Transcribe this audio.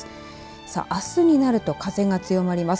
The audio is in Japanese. さあ、あすになると風が強まります。